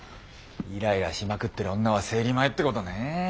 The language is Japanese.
イライラしまくってる女は生理前ってことね。